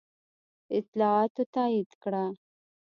اطلاعاتو تایید کړه.